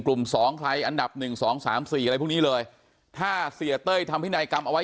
กลุ่มสองใครอันดับ๑๒๓๔อะไรพวกนี้เลยถ้าเศรษฐ์เต้ยทำพินัยกรรมเอาไว้